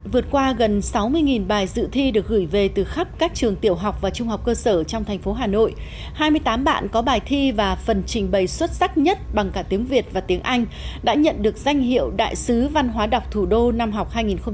vượt qua gần sáu mươi bài dự thi được gửi về từ khắp các trường tiểu học và trung học cơ sở trong thành phố hà nội hai mươi tám bạn có bài thi và phần trình bày xuất sắc nhất bằng cả tiếng việt và tiếng anh đã nhận được danh hiệu đại sứ văn hóa đọc thủ đô năm học hai nghìn một mươi chín hai nghìn hai mươi